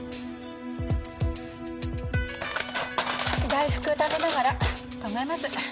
大福食べながら考えます。